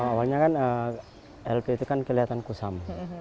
awalnya kan lp itu kan kelihatan kusam